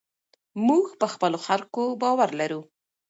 موږ په خپلو خلکو باور لرو.